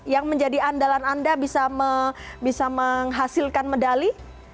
yang menjadi andalan anda bisa menghasilkan medali